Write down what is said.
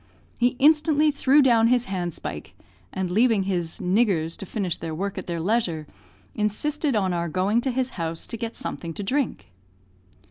He instantly threw down his handspike, and leaving his "niggers" to finish their work at their leisure, insisted on our going to his house to get something to drink.